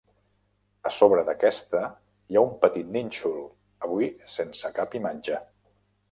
A sobre d'aquesta hi ha un petit nínxol, avui sense cap imatge.